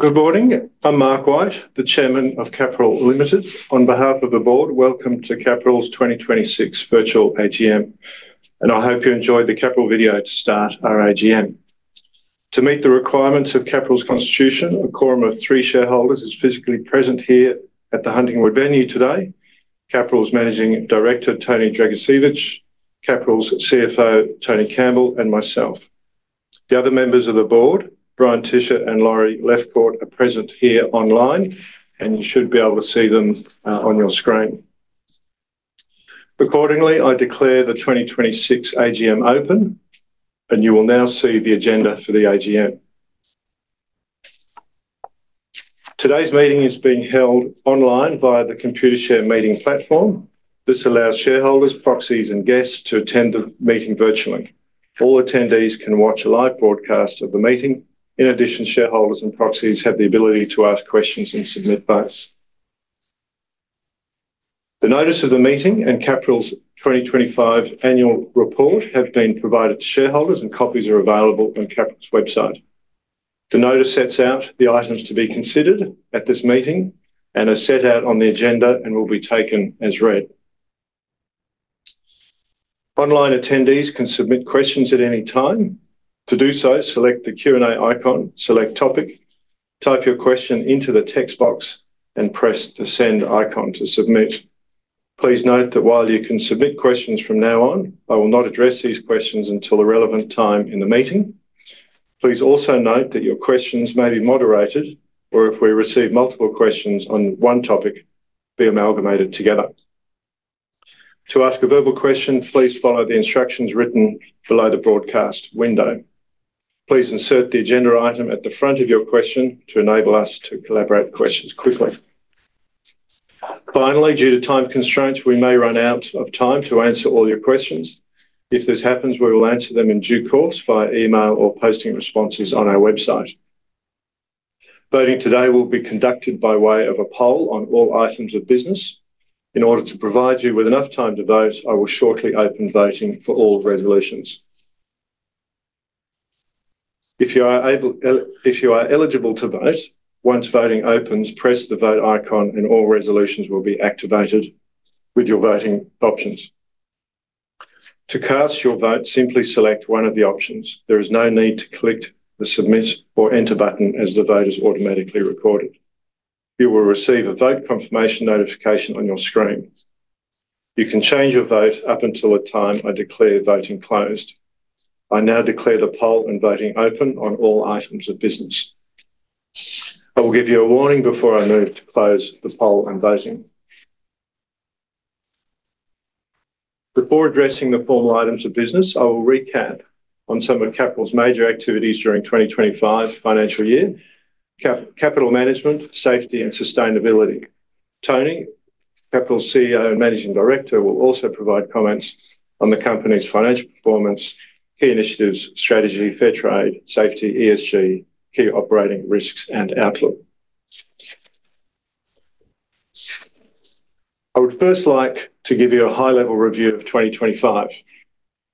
Good morning. I'm Mark White, the Chairman of Capral Limited. On behalf of the board, welcome to Capral's 2026 virtual AGM, and I hope you enjoyed the Capral video to start our AGM. To meet the requirements of Capral's constitution, a quorum of three shareholders is physically present here at the Huntingwood venue today. Capral's Managing Director, Tony Dragicevich, Capral's CFO, Tertius Campbell, and myself. The other members of the board, Bryan Tisher and Laurie Lefcourt, are present here online, and you should be able to see them on your screen. Accordingly, I declare the 2026 AGM open, and you will now see the agenda for the AGM. Today's meeting is being held online via the Computershare meeting platform. This allows shareholders, proxies and guests to attend the meeting virtually. All attendees can watch a live broadcast of the meeting. In addition, shareholders and proxies have the ability to ask questions and submit votes. The notice of the meeting and Capral's 2025 annual report have been provided to shareholders, and copies are available on Capral's website. The notice sets out the items to be considered at this meeting and are set out on the agenda and will be taken as read. Online attendees can submit questions at any time. To do so, select the Q&A icon, select Topic, type your question into the text box and press the send icon to submit. Please note that while you can submit questions from now on, I will not address these questions until the relevant time in the meeting. Please also note that your questions may be moderated or, if we receive multiple questions on one topic, be amalgamated together. To ask a verbal question, please follow the instructions written below the broadcast window. Please insert the agenda item at the front of your question to enable us to collaborate questions quickly. Finally, due to time constraints, we may run out of time to answer all your questions. If this happens, we will answer them in due course via email or posting responses on our website. Voting today will be conducted by way of a poll on all items of business. In order to provide you with enough time to vote, I will shortly open voting for all resolutions. If you are eligible to vote, once voting opens, press the vote icon and all resolutions will be activated with your voting options. To cast your vote, simply select one of the options. There is no need to click the Submit or Enter button as the vote is automatically recorded. You will receive a vote confirmation notification on your screen. You can change your vote up until the time I declare voting closed. I now declare the poll and voting open on all items of business. I will give you a warning before I move to close the poll and voting. Before addressing the formal items of business, I will recap on some of Capral's major activities during 2025 financial year. Capral management, safety and sustainability. Tony Dragicevich, Capral's CEO and Managing Director, will also provide comments on the company's financial performance, key initiatives, strategy, fair trade, safety, ESG, key operating risks and outlook. I would first like to give you a high-level review of 2025.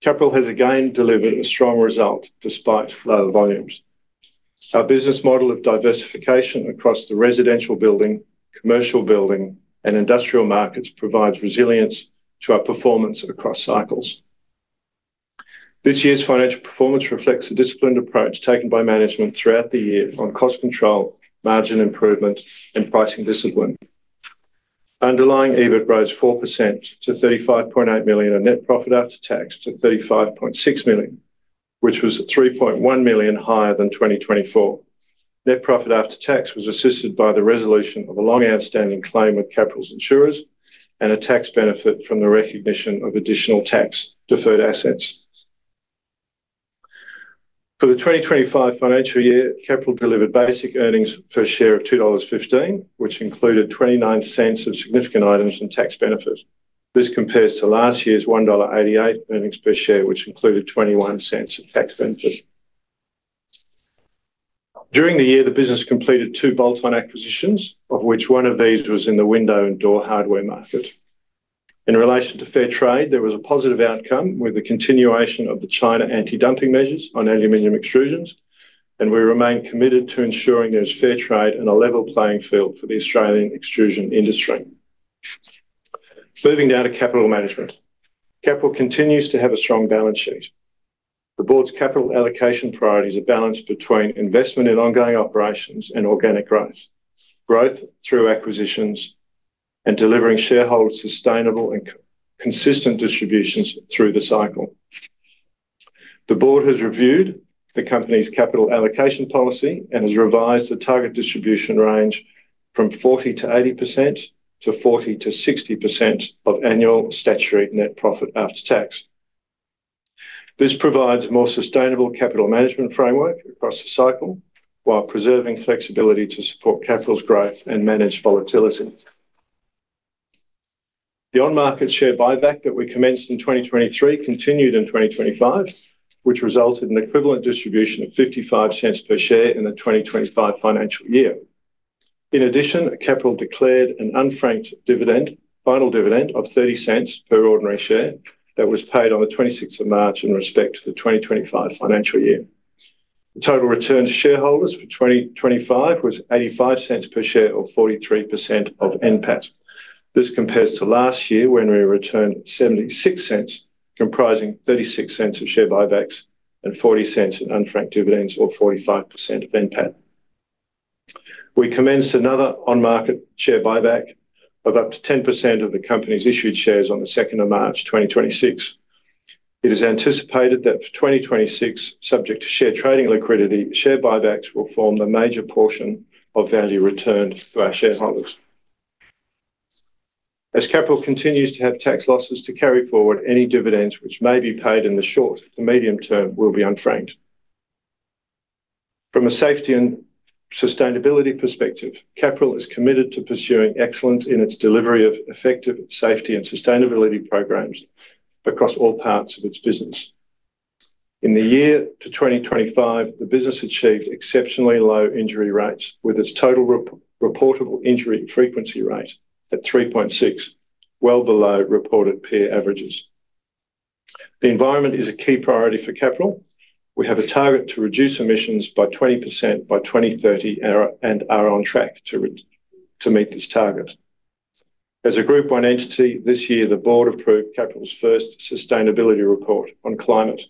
Capral has again delivered a strong result despite lower volumes. Our business model of diversification across the residential building, commercial building and industrial markets provides resilience to our performance across cycles. This year's financial performance reflects the disciplined approach taken by management throughout the year on cost control, margin improvement and pricing discipline. Underlying EBIT rose 4% to 35.8 million and net profit after tax to 35.6 million, which was 3.1 million higher than 2024. Net profit after tax was assisted by the resolution of a long-outstanding claim with Capral's insurers and a tax benefit from the recognition of additional tax-deferred assets. For the 2025 financial year, Capral delivered basic earnings per share of AUD 2.15, which included 0.29 of significant items and tax benefit. This compares to last year's AUD 1.88 earnings per share, which included 0.21 of tax benefit. During the year, the business completed two bolt-on acquisitions, of which one of these was in the window and door hardware market. In relation to fair trade, there was a positive outcome with the continuation of the China anti-dumping measures on aluminium extrusions, and we remain committed to ensuring there is fair trade and a level playing field for the Australian extrusion industry. Moving down to Capral Management. Capral continues to have a strong balance sheet. The Board's capital allocation priorities are balanced between investment in ongoing operations and organic growth through acquisitions and delivering shareholders sustainable and co-consistent distributions through the cycle. The Board has reviewed the Company's Capital Allocation Policy and has revised the target distribution range from 40%-80% to 40%-60% of annual Statutory Net Profit After Tax. This provides more sustainable capital management framework across the cycle while preserving flexibility to support Capral's growth and manage volatility. The on-market share buyback that we commenced in 2023 continued in 2025, which resulted in equivalent distribution of 0.55 per share in the 2025 financial year. In addition, Capral declared an unfranked dividend, final dividend of 0.30 per ordinary share that was paid on the 26th of March in respect to the 2025 financial year. The total return to shareholders for 2025 was 0.85 per share or 43% of NPAT. This compares to last year when we returned 0.76, comprising 0.36 of share buybacks and 0.40 in unfranked dividends, or 45% of NPAT. We commenced another on-market share buyback of up to 10% of the company's issued shares on the 2nd of March 2026. It is anticipated that for 2026, subject to share trading liquidity, share buybacks will form the major portion of value returned to our shareholders. Capral continues to have tax losses to carry forward, any dividends which may be paid in the short to medium term will be unfranked. From a safety and sustainability perspective, Capral is committed to pursuing excellence in its delivery of effective safety and sustainability programs across all parts of its business. In the year to 2025, the business achieved exceptionally low injury rates with its total reportable injury frequency rate at 3.6, well below reported peer averages. The environment is a key priority for Capral. We have a target to reduce emissions by 20% by 2030 and are on track to meet this target. As a Group one entity, this year the board approved Capral's first sustainability report on climate,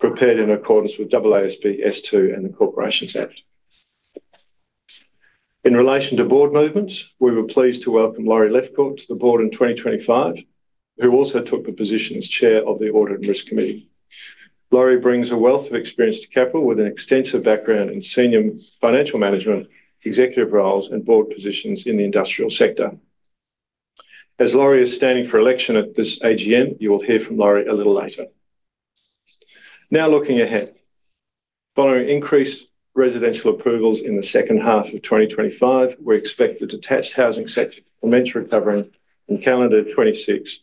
prepared in accordance with AASB S2 and the Corporations Act. In relation to board movements, we were pleased to welcome Laurie Lefcourt to the board in 2025, who also took the position as Chair of the Audit and Risk Committee. Laurie brings a wealth of experience to Capral with an extensive background in senior financial management, executive roles and board positions in the industrial sector. As Laurie is standing for election at this AGM, you will hear from Laurie a little later. Now looking ahead. Following increased residential approvals in the second half of 2025, we expect the detached housing sector to commence recovering in calendar 2026,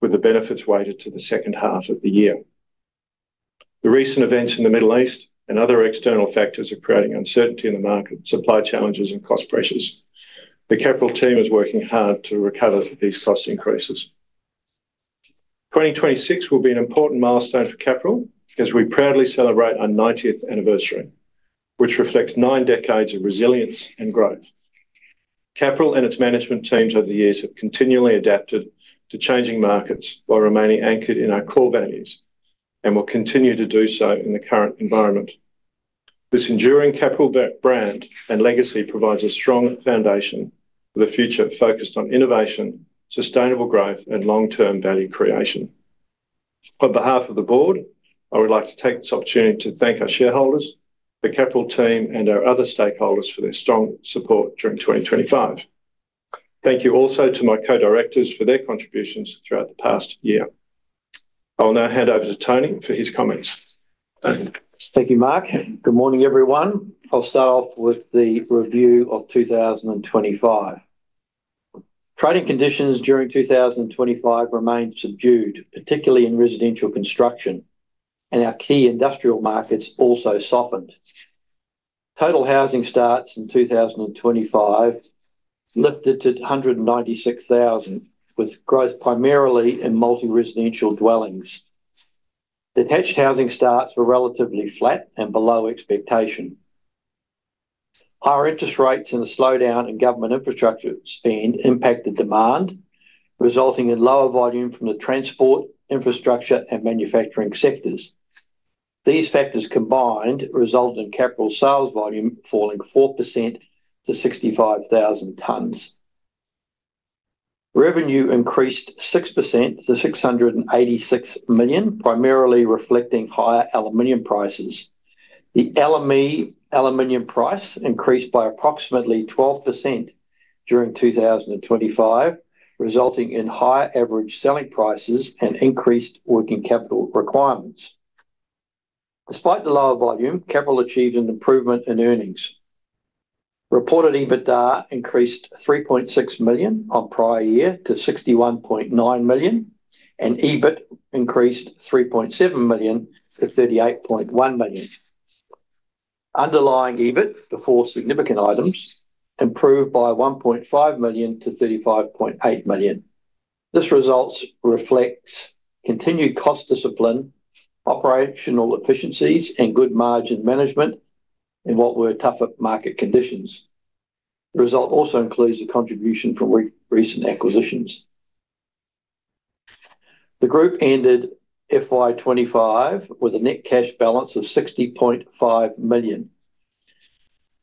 with the benefits weighted to the second half of the year. The recent events in the Middle East and other external factors are creating uncertainty in the market, supply challenges and cost pressures. The Capral team is working hard to recover these cost increases. 2026 will be an important milestone for Capral as we proudly celebrate our 90th anniversary, which reflects nine decades of resilience and growth. Capral and its management teams over the years have continually adapted to changing markets while remaining anchored in our core values, and will continue to do so in the current environment. This enduring Capral brand and legacy provides a strong foundation for the future focused on innovation, sustainable growth and long-term value creation. On behalf of the board, I would like to take this opportunity to thank our shareholders, the Capral team and our other stakeholders for their strong support during 2025. Thank you also to my co-directors for their contributions throughout the past year. I will now hand over to Tony for his comments. Thank you. Thank you, Mark. Good morning, everyone. I'll start off with the review of 2025. Trading conditions during 2025 remained subdued, particularly in residential construction, and our key industrial markets also softened. Total housing starts in 2025 lifted to 196,000, with growth primarily in multi-residential dwellings. Detached housing starts were relatively flat and below expectation. Higher interest rates and a slowdown in government infrastructure spend impacted demand, resulting in lower volume from the transport, infrastructure and manufacturing sectors. These factors combined resulted in Capral sales volume falling 4% to 65,000 tons. Revenue increased 6% to 686 million, primarily reflecting higher aluminum prices. The LME aluminum price increased by approximately 12% during 2025, resulting in higher average selling prices and increased working capital requirements. Despite the lower volume, Capral achieved an improvement in earnings. Reported EBITDA increased 3.6 million on prior year to 61.9 million, and EBIT increased 3.7 million to 38.1 million. Underlying EBIT before significant items improved by 1.5 million to 35.8 million. This result reflects continued cost discipline, operational efficiencies and good margin management in what were tougher market conditions. The result also includes the contribution from recent acquisitions. The group ended FY 2025 with a net cash balance of 60.5 million.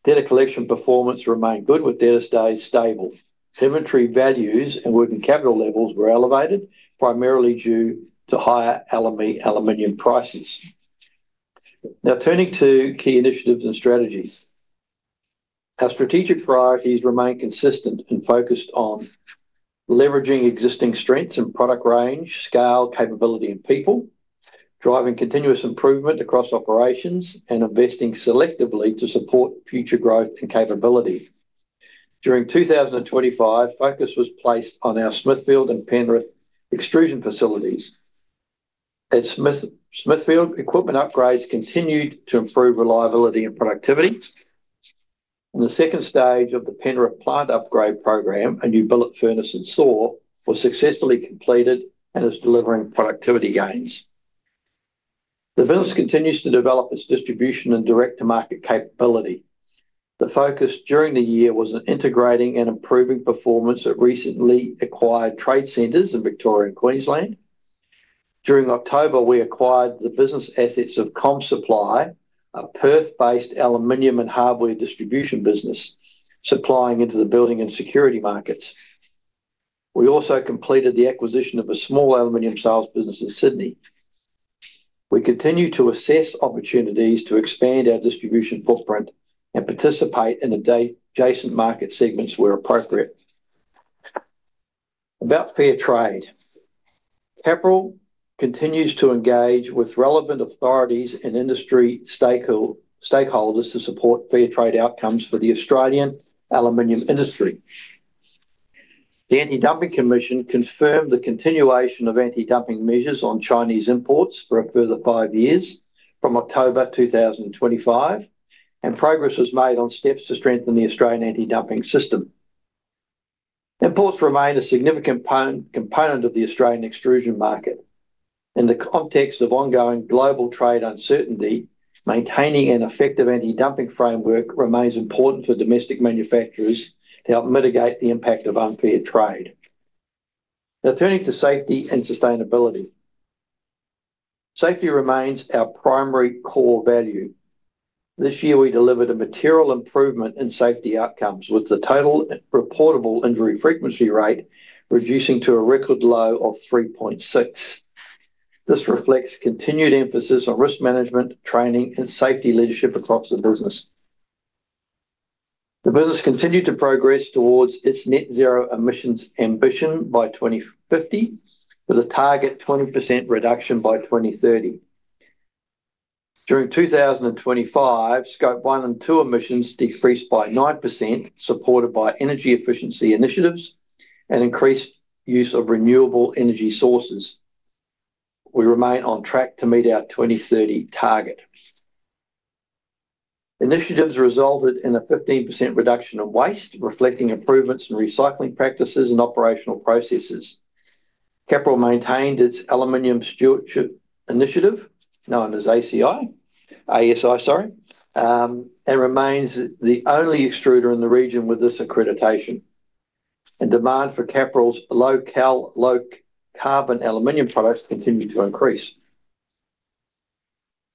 Data collection performance remained good with data stayed stable. Inventory values and working capital levels were elevated primarily due to higher LME aluminum prices. Now turning to key initiatives and strategies. Our strategic priorities remain consistent and focused on leveraging existing strengths in product range, scale, capability and people, driving continuous improvement across operations and investing selectively to support future growth and capability. During 2025, focus was placed on our Smithfield and Penrith extrusion facilities. At Smithfield, equipment upgrades continued to improve reliability and productivity. The second stage of the Penrith plant upgrade program, a new billet furnace and saw, was successfully completed and is delivering productivity gains. The business continues to develop its distribution and direct-to-market capability. The focus during the year was on integrating and improving performance at recently acquired trade centers in Victoria and Queensland. During October, we acquired the business assets of Comsupply, a Perth-based aluminium and hardware distribution business supplying into the building and security markets. We also completed the acquisition of a small aluminium sales business in Sydney. We continue to assess opportunities to expand our distribution footprint and participate in adjacent market segments where appropriate. About fair trade. Capral continues to engage with relevant authorities and industry stakeholders to support fair trade outcomes for the Australian aluminum industry. The Anti-Dumping Commission confirmed the continuation of anti-dumping measures on Chinese imports for a further five years from October 2025, and progress was made on steps to strengthen the Australian anti-dumping system. Imports remain a significant component of the Australian extrusion market. In the context of ongoing global trade uncertainty, maintaining an effective anti-dumping framework remains important for domestic manufacturers to help mitigate the impact of unfair trade. Turning to safety and sustainability. Safety remains our primary core value. This year, we delivered a material improvement in safety outcomes, with the total reportable injury frequency rate reducing to a record low of 3.6. This reflects continued emphasis on risk management, training, and safety leadership across the business. The business continued to progress towards its net zero emissions ambition by 2050, with a target 20% reduction by 2030. During 2025, scope 1 and 2 emissions decreased by 9%, supported by energy efficiency initiatives and increased use of renewable energy sources. We remain on track to meet our 2030 target. Initiatives resulted in a 15% reduction of waste, reflecting improvements in recycling practices and operational processes. Capral maintained its Aluminium Stewardship Initiative, known as ASI, sorry, and remains the only extruder in the region with this accreditation. Demand for Capral's low carbon aluminum products continued to increase.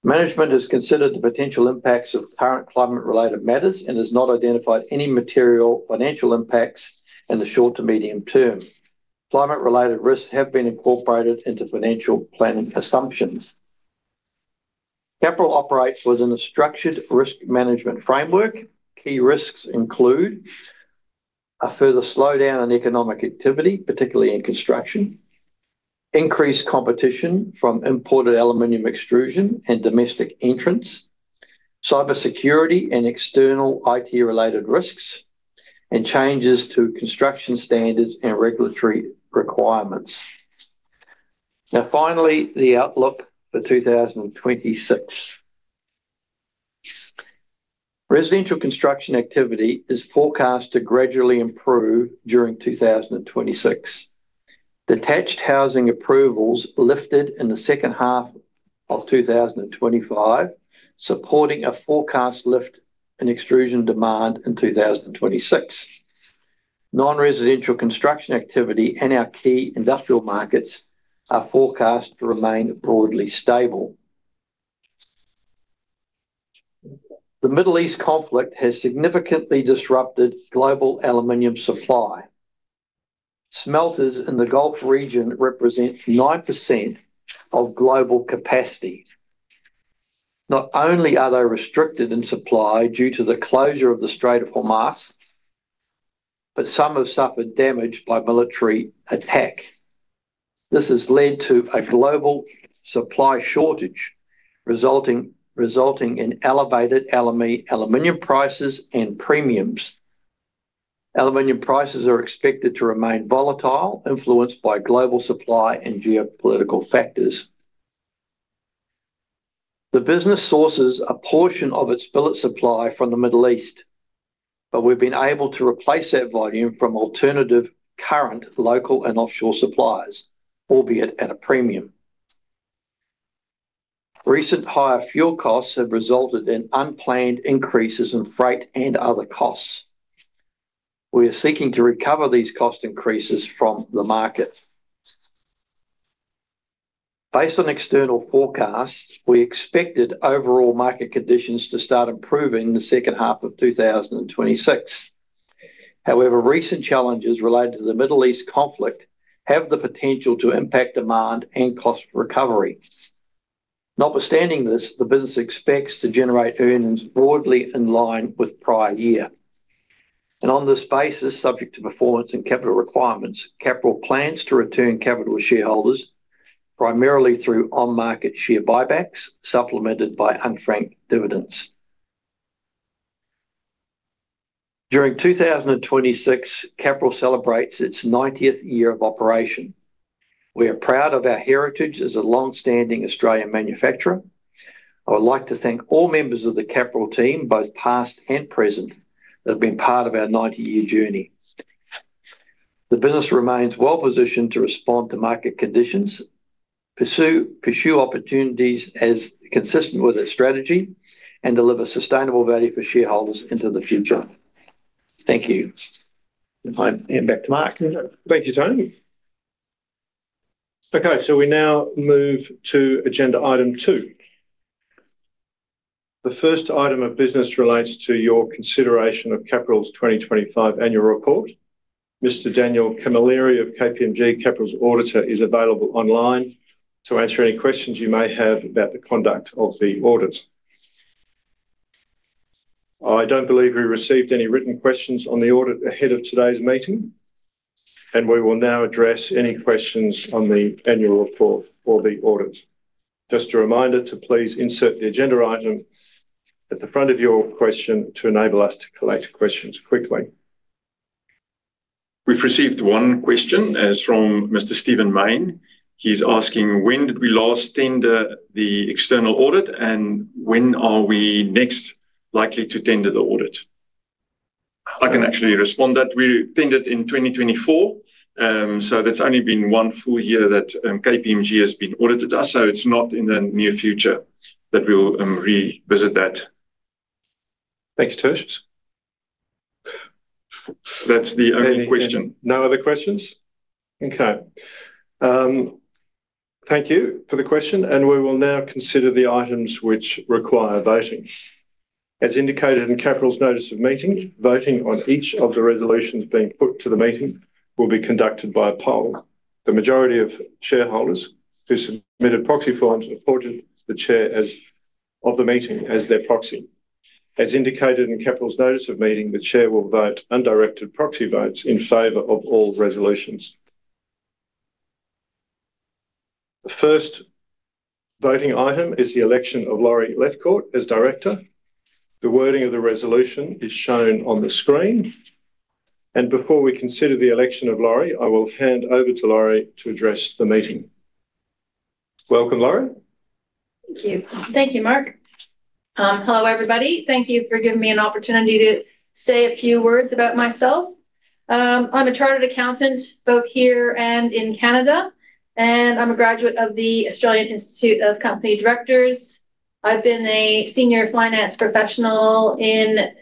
Management has considered the potential impacts of current climate-related matters and has not identified any material financial impacts in the short to medium term. Climate-related risks have been incorporated into financial planning assumptions. Capral operates within a structured risk management framework. Key risks include a further slowdown in economic activity, particularly in construction, increased competition from imported aluminum extrusion and domestic entrants, cybersecurity and external IT-related risks, and changes to construction standards and regulatory requirements. Finally, the outlook for 2026. Residential construction activity is forecast to gradually improve during 2026. Detached housing approvals lifted in the second half of 2025, supporting a forecast lift in extrusion demand in 2026. Non-residential construction activity in our key industrial markets are forecast to remain broadly stable. The Middle East conflict has significantly disrupted global aluminum supply. Smelters in the Gulf region represent 9% of global capacity. Not only are they restricted in supply due to the closure of the Strait of Hormuz, but some have suffered damage by military attack. This has led to a global supply shortage, resulting in elevated aluminum prices and premiums. Aluminum prices are expected to remain volatile, influenced by global supply and geopolitical factors. The business sources a portion of its billet supply from the Middle East, we've been able to replace that volume from alternative current local and offshore suppliers, albeit at a premium. Recent higher fuel costs have resulted in unplanned increases in freight and other costs. We are seeking to recover these cost increases from the market. Based on external forecasts, we expected overall market conditions to start improving in the second half of 2026. Recent challenges related to the Middle East conflict have the potential to impact demand and cost recovery. Notwithstanding this, the business expects to generate earnings broadly in line with prior year. On this basis, subject to performance and capital requirements, Capral plans to return capital to shareholders, primarily through on-market share buybacks, supplemented by unfranked dividends. During 2026, Capral celebrates its 90th year of operation. We are proud of our heritage as a long-standing Australian manufacturer. I would like to thank all members of the Capral team, both past and present, that have been part of our 90-year journey. The business remains well-positioned to respond to market conditions, pursue opportunities as consistent with its strategy, and deliver sustainable value for shareholders into the future. Thank you. I hand back to Mark. Thank you, Tony. We now move to agenda item two. The first item of business relates to your consideration of Capral's 2025 annual report. Mr. Daniel Camilleri of KPMG, Capral's auditor, is available online to answer any questions you may have about the conduct of the audit. I don't believe we received any written questions on the audit ahead of today's meeting, and we will now address any questions on the annual report or the audit. Just a reminder to please insert the agenda item at the front of your question to enable us to collate questions quickly. We've received one question. It's from Mr. Steven Main. He's asking, when did we last tender the external audit, and when are we next likely to tender the audit? I can actually respond that. We tendered in 2024, so that's only been one full year that KPMG has been auditing us, so it's not in the near future that we'll revisit that. Thank you, Tertius. That's the only question. Any No other questions? Okay. Thank you for the question, and we will now consider the items which require voting. As indicated in Capral's notice of meeting, voting on each of the resolutions being put to the meeting will be conducted by poll. The majority of shareholders who submitted proxy forms appointed the chair as, of the meeting as their proxy. As indicated in Capral's notice of meeting, the chair will vote undirected proxy votes in favor of all resolutions. The first voting item is the election of Laurie Lefcourt as director. The wording of the resolution is shown on the screen. Before we consider the election of Laurie, I will hand over to Laurie to address the meeting. Welcome, Laurie. Thank you. Thank you, Mark. Hello, everybody. Thank you for giving me an opportunity to say a few words about myself. I'm a chartered accountant both here and in Canada, and I'm a graduate of the Australian Institute of Company Directors. I've been a senior finance professional in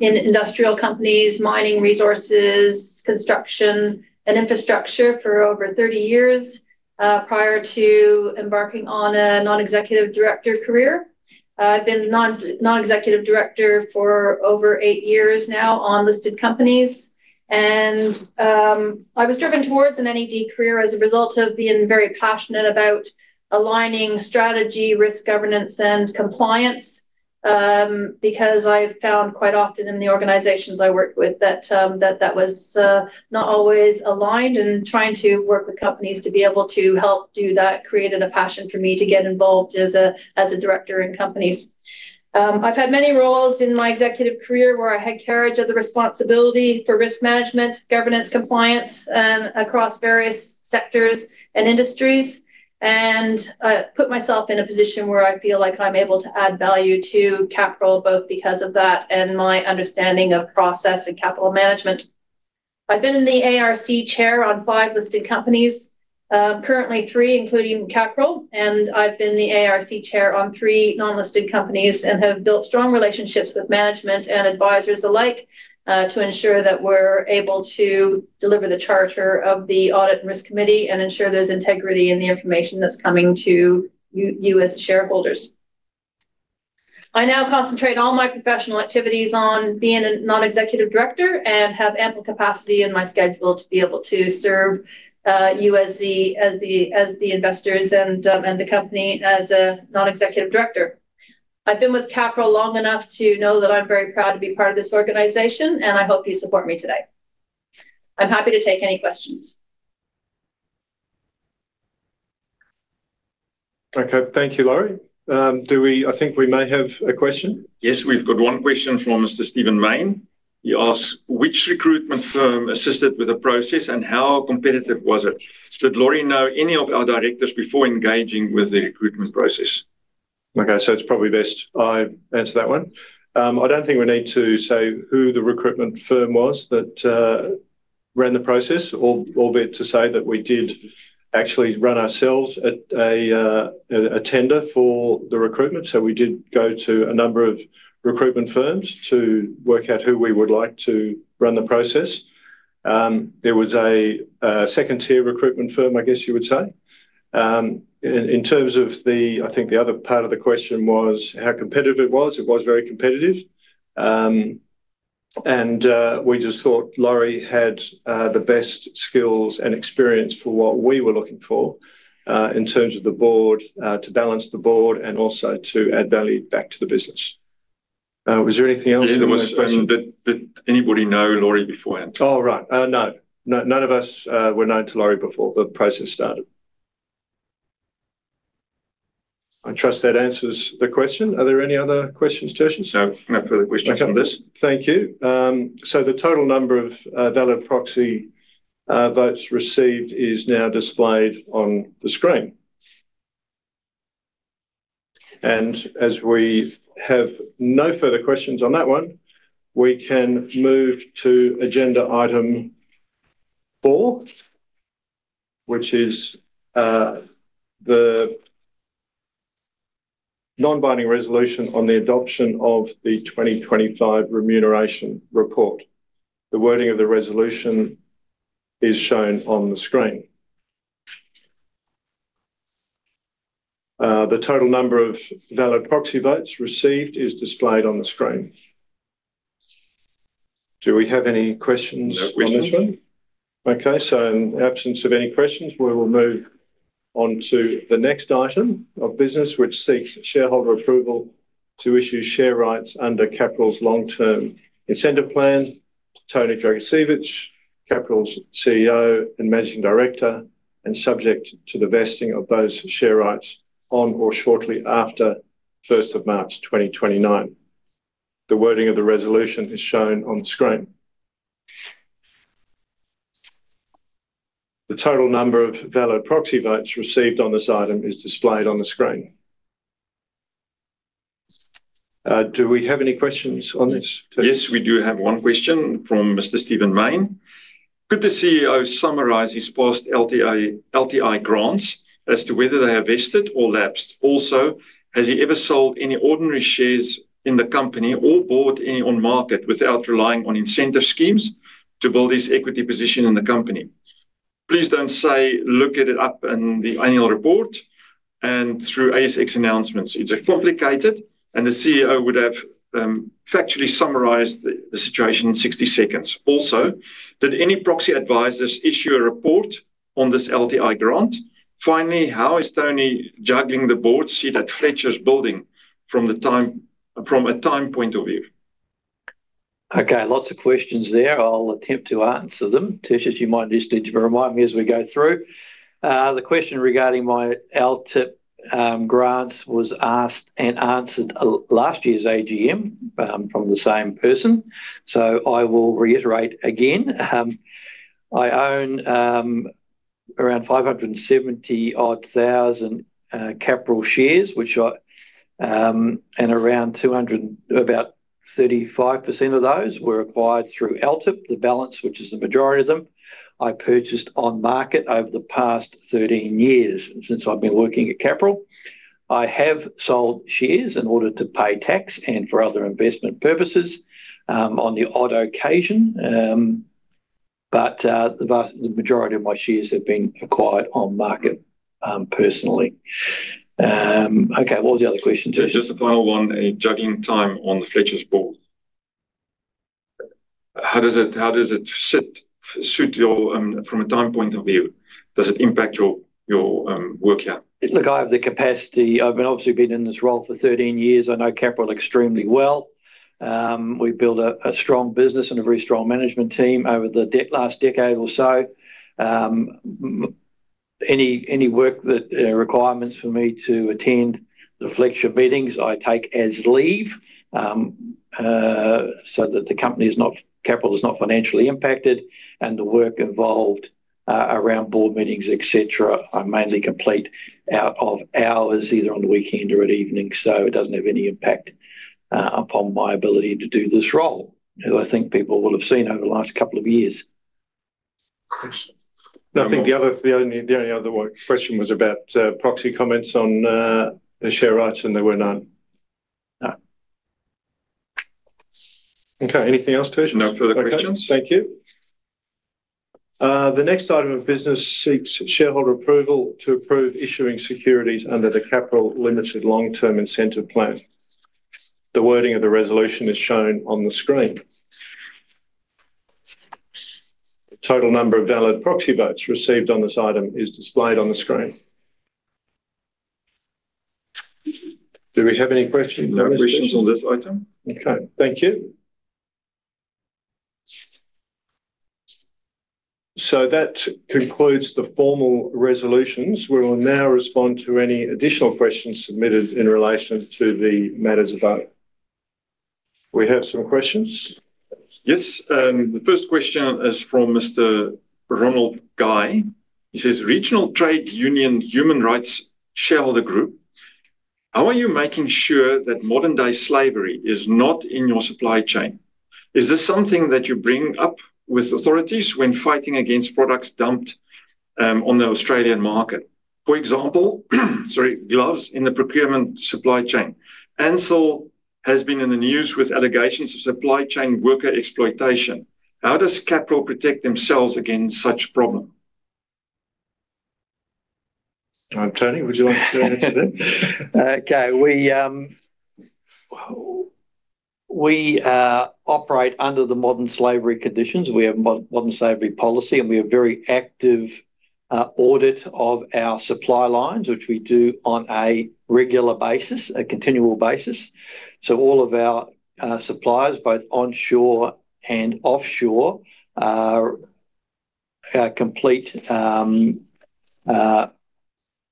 industrial companies, mining resources, construction, and infrastructure for over 30 years prior to embarking on a non-executive director career. I've been a non-executive director for over eight years now on listed companies and I was driven towards an NED career as a result of being very passionate about aligning strategy, risk governance, and compliance, because I've found quite often in the organizations I worked with that that was not always aligned and trying to work with companies to be able to help do that created a passion for me to get involved as a director in companies. I've had many roles in my executive career where I had carriage of the responsibility for risk management, governance compliance, and across various sectors and industries, and I put myself in a position where I feel like I'm able to add value to Capral, both because of that and my understanding of process and capital management. I've been the ARC chair on five listed companies, currently three, including Capral, and I've been the ARC chair on three non-listed companies and have built strong relationships with management and advisors alike, to ensure that we're able to deliver the charter of the Audit and Risk Committee and ensure there's integrity in the information that's coming to you as shareholders. I now concentrate all my professional activities on being a non-executive director and have ample capacity in my schedule to be able to serve you as the investors and the company as a non-executive director. I've been with Capral long enough to know that I'm very proud to be part of this organization, and I hope you support me today. I'm happy to take any questions. Okay. Thank you, Laurie. I think we may have a question. Yes, we've got one question from Mr. Steven Main. He asks, "Which recruitment firm assisted with the process, and how competitive was it? Did Laurie know any of our directors before engaging with the recruitment process? Okay, it's probably best I answer that one. I don't think we need to say who the recruitment firm was that ran the process, albeit to say that we did actually run ourselves a tender for the recruitment. We did go to a number of recruitment firms to work out who we would like to run the process. There was a second-tier recruitment firm, I guess you would say. In terms of the I think the other part of the question was how competitive it was. It was very competitive. We just thought Laurie had the best skills and experience for what we were looking for in terms of the board to balance the board and also to add value back to the business. Was there anything else in that question? Yeah, there was, did anybody know Laurie beforehand? Oh, right. No. None of us were known to Laurie before the process started. I trust that answers the question. Are there any other questions, Tertius? No. No further questions on this. Okay. Thank you. The total number of valid proxy votes received is now displayed on the screen. As we have no further questions on that one, we can move to agenda item four, which is the non-binding resolution on the adoption of the 2025 Remuneration Report. The wording of the resolution is shown on the screen. The total number of valid proxy votes received is displayed on the screen. Do we have any questions? No questions. on this one? Okay. In absence of any questions, we will move on to the next item of business which seeks shareholder approval to issue share rights under Capral's long-term incentive plan to Tony Dragicevich, Capral's CEO and Managing Director, and subject to the vesting of those share rights on or shortly after 1st of March, 2029. The wording of the resolution is shown on the screen. The total number of valid proxy votes received on this item is displayed on the screen. Do we have any questions on this, please? Yes, we do have one question from Mr. Steven Main. Could the CEO summarize his past LTI grants as to whether they have vested or lapsed? Has he ever sold any ordinary shares in the company or bought any on market without relying on incentive schemes to build his equity position in the company? Please don't say look at it up in the annual report and through ASX announcements. It's complicated, and the CEO would have factually summarized the situation in 60 seconds. Did any proxy advisors issue a report on this LTI grant? How is Tony juggling the board seat at Fletcher Building from a time point of view? Okay, lots of questions there. I'll attempt to answer them. Tertius, you might just need to remind me as we go through. The question regarding my LTIP grants was asked and answered at last year's AGM from the same person. I will reiterate again. I own around 570-odd thousand Capral shares. Around 235% of those were acquired through LTIP. The balance, which is the majority of them, I purchased on market over the past 13 years since I've been working at Capral. I have sold shares in order to pay tax and for other investment purposes on the odd occasion. The vast majority of my shares have been acquired on market personally. Okay, what was the other question, Tertius? Just the final one, juggling time on the Fletcher's board. How does it sit, suit your from a time point of view? Does it impact your work here? Look, I have the capacity. I've obviously been in this role for 13 years. I know Capral extremely well. We've built a strong business and a very strong management team over the last decade or so. Any work that requirements for me to attend the Fletcher meetings, I take as leave, so that the company is not Capral is not financially impacted and the work involved around board meetings, et cetera, I mainly complete out of hours, either on the weekend or at evening. It doesn't have any impact upon my ability to do this role, who I think people will have seen over the last couple of years. Questions. Nothing. I think the only other one question was about proxy comments on the share rights, and there were none. No. Okay. Anything else, Tertius? No further questions. Thank you. The next item of business seeks shareholder approval to approve issuing securities under the Capral Limited long-term incentive plan. The wording of the resolution is shown on the screen. The total number of valid proxy votes received on this item is displayed on the screen. Do we have any questions? No questions on this item. on this item? Okay, thank you. That concludes the formal resolutions. We will now respond to any additional questions submitted in relation to the matters about. We have some questions. The first question is from Mr. Ronald Guy. He says: Regional Trade Union Human Rights Shareholder Group. How are you making sure that modern-day slavery is not in your supply chain? Is this something that you bring up with authorities when fighting against products dumped on the Australian market? For example, sorry, gloves in the procurement supply chain. Ansell has been in the news with allegations of supply chain worker exploitation. How does Capral protect themselves against such problem? Tony Dragicevich, would you like to answer that? Okay. We operate under the modern slavery conditions. We have modern slavery policy, and we have very active audit of our supply lines, which we do on a regular basis, a continual basis. All of our suppliers, both onshore and offshore,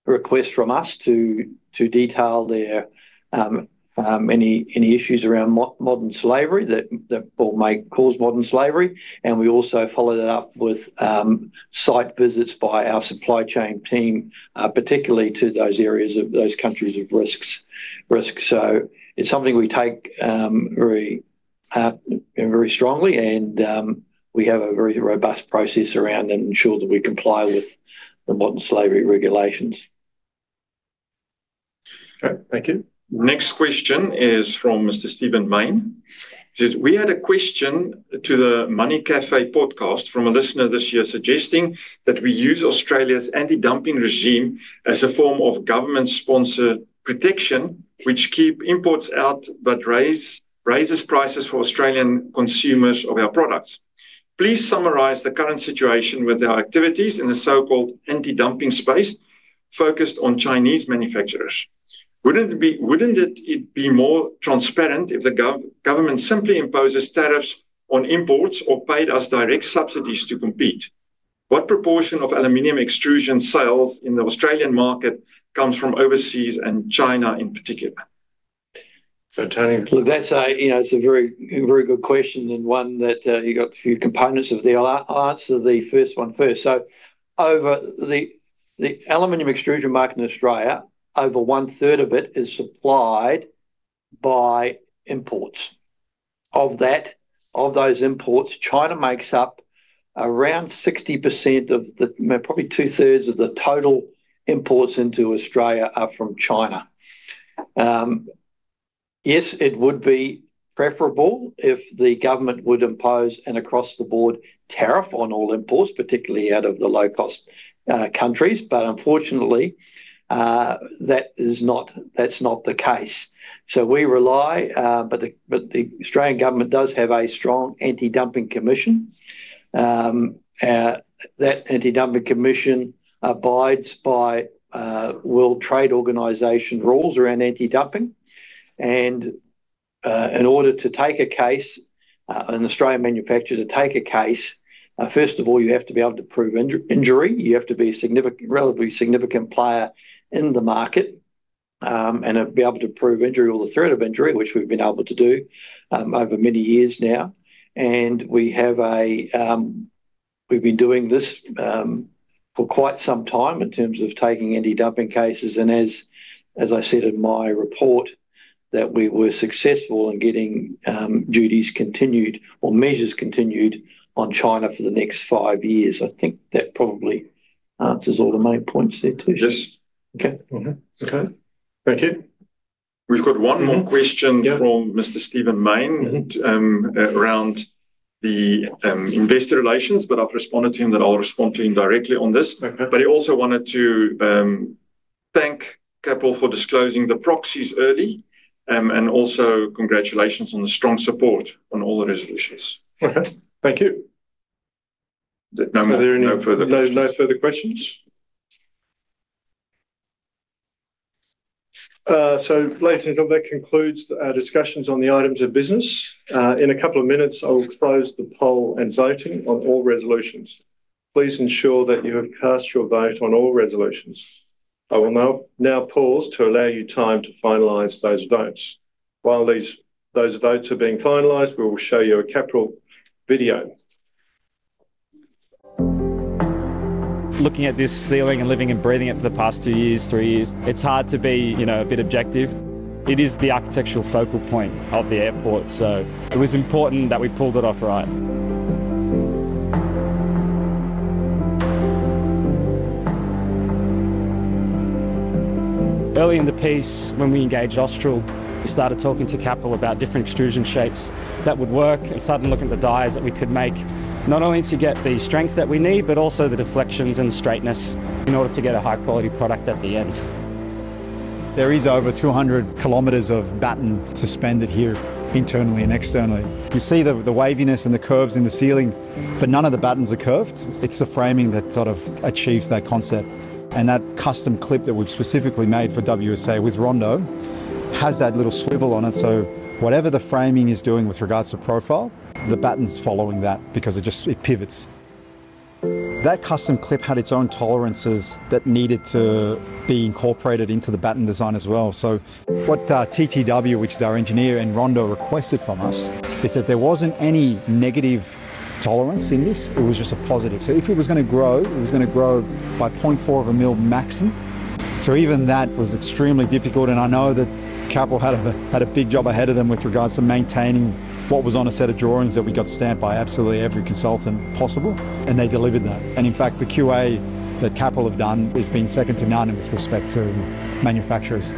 request from us to detail their any issues around modern slavery that or may cause modern slavery. We also follow that up with site visits by our supply chain team, particularly to those areas of those countries of risks. It's something we take very strongly and we have a very robust process around and ensure that we comply with the modern slavery regulations. Okay, thank you. Next question is from Mr. Steven Main. Says, "We had a question to The Money Café podcast from a listener this year suggesting that we use Australia's anti-dumping regime as a form of government-sponsored protection, which keep imports out, but raises prices for Australian consumers of our products. Please summarize the current situation with our activities in the so-called anti-dumping space focused on Chinese manufacturers. Wouldn't it be more transparent if the government simply imposes tariffs on imports or paid us direct subsidies to compete? What proportion of aluminium extrusion sales in the Australian market comes from overseas and China in particular? Tony. Look, you know, it's a very, very good question and one that you got a few components of the answer. The first one first. Over the aluminum extrusion market in Australia, over one third of it is supplied by imports. Of that, of those imports, China makes up around 60% of probably 2/3 of the total imports into Australia are from China. Yes, it would be preferable if the government would impose an across the board tariff on all imports, particularly out of the low-cost countries. Unfortunately, that's not the case. We rely, but the Australian government does have a strong Anti-Dumping Commission. That Anti-Dumping Commission abides by World Trade Organization rules around anti-dumping. In order to take a case, an Australian manufacturer to take a case, first of all, you have to be able to prove injury. You have to be a significant, relatively significant player in the market, and be able to prove injury or the threat of injury, which we've been able to do, over many years now. We have a, we've been doing this for quite some time in terms of taking anti-dumping cases. As, as I said in my report, that we were successful in getting duties continued, or measures continued on China for the next five years. I think that probably answers all the main points there too. Yes. Okay. Okay. Thank you. We've got one more question. Yeah. From Mr. Steven Main. Around the investor relations, but I've responded to him that I'll respond to him directly on this. Okay. He also wanted to thank Capral for disclosing the proxies early, and also congratulations on the strong support on all the resolutions. Okay. Thank you. No more. No further questions. No further questions. Ladies and gentlemen, that concludes our discussions on the items of business. In a couple of minutes, I will close the poll and voting on all resolutions. Please ensure that you have cast your vote on all resolutions. I will now pause to allow you time to finalize those votes. While those votes are being finalized, we will show you a Capral video. Looking at this ceiling and living and breathing it for the past two years, three years, it's hard to be, you know, a bit objective. It is the architectural focal point of the airport, so it was important that we pulled it off right. Early in the piece, when we engaged Austral, we started talking to Capral about different extrusion shapes that would work, and started looking at the dies that we could make, not only to get the strength that we need, but also the deflections and straightness in order to get a high-quality product at the end. There is over 200 km of batten suspended here internally and externally. You see the waviness and the curves in the ceiling, but none of the battens are curved. It's the framing that sort of achieves that concept. That custom clip that we've specifically made for WSA with Rondo has that little swivel on it, so whatever the framing is doing with regards to profile, the batten's following that because it just pivots. That custom clip had its own tolerances that needed to be incorporated into the batten design as well. What TTW, which is our engineer, and Rondo requested from us is that there wasn't any negative tolerance in this. It was just a positive. If it was gonna grow, it was gonna grow by 0.4 of a mil maximum. Even that was extremely difficult. I know that Capral had a big job ahead of them with regards to maintaining what was on a set of drawings that we got stamped by absolutely every consultant possible, and they delivered that. In fact, the QA that Capral have done has been second to none with respect to manufacturers.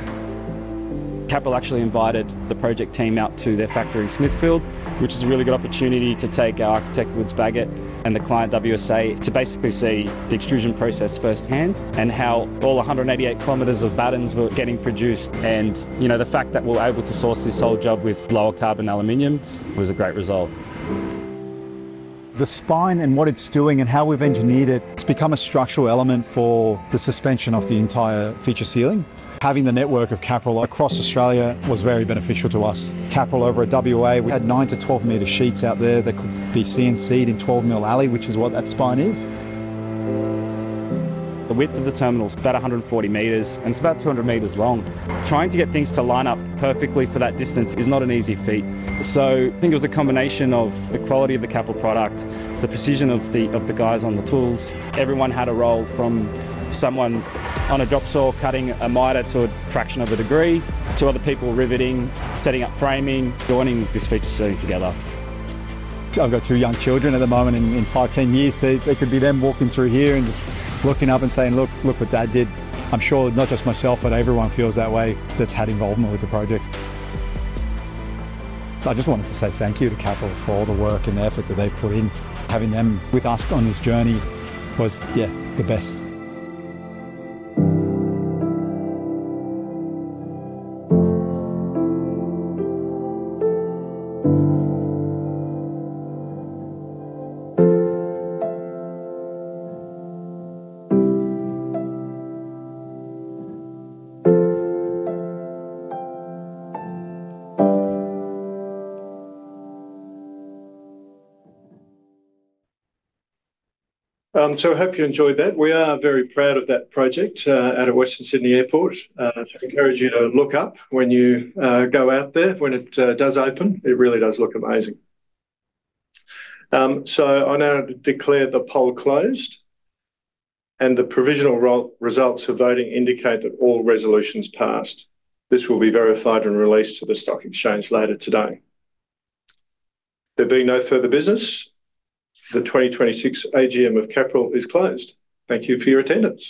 Capral actually invited the project team out to their factory in Smithfield, which is a really good opportunity to take our architect, Woods Bagot, and the client, WSA, to basically see the extrusion process firsthand and how all 188 kilometers of battens were getting produced. You know, the fact that we're able to source this whole job with lower carbon aluminum was a great result. The spine and what it's doing and how we've engineered it's become a structural element for the suspension of the entire feature ceiling. Having the network of Capral across Australia was very beneficial to us. Capral over at W.A., we had nine to 12-meter sheets out there that could be CNC'd in 12 mil ali, which is what that spine is. The width of the terminal is about 140 meters, and it's about 200 meters long. Trying to get things to line up perfectly for that distance is not an easy feat. I think it was a combination of the quality of the Capral product, the precision of the, of the guys on the tools. Everyone had a role from someone on a drop saw cutting a miter to a fraction of a degree, to other people riveting, setting up framing, joining this feature ceiling together. I've got two young children at the moment, and in five, 10 years, it could be them walking through here and just looking up and saying, "Look, look what Dad did." I'm sure not just myself, but everyone feels that way that's had involvement with the project. I just wanted to say thank you to Capral for all the work and effort that they've put in. Having them with us on this journey was, yeah, the best. I hope you enjoyed that. We are very proud of that project out of Western Sydney Airport. I encourage you to look up when you go out there when it does open. It really does look amazing. I now declare the poll closed, and the provisional results of voting indicate that all resolutions passed. This will be verified and released to the stock exchange later today. There being no further business, the 2026 AGM of Capral is closed. Thank you for your attendance.